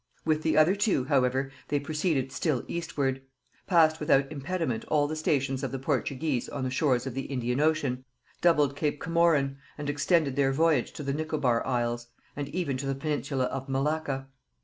With the other two, however, they proceeded still eastward; passed without impediment all the stations of the Portuguese on the shores of the Indian ocean, doubled Cape Comorin, and extended their voyage to the Nicobar isles, and even to the peninsula of Malacca.